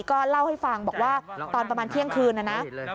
ก็เล่าให้ฟังบอกว่าตอนประมาณเที่ยงคืนนะนะ